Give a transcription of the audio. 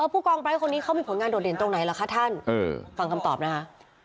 ผู้กองไร้คนนี้เขามีผลงานโดดเด่นตรงไหนล่ะคะท่านฟังคำตอบนะคะ